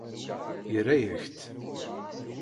Yerra-yak-tt.